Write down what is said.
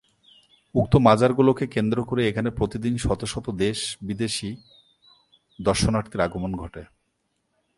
উক্ত মাজার গুলোকে কেন্দ্র করে এখানে প্রতি দিন শত শত দেশ-বিদেশী দর্শনার্থীর আগমন ঘটে।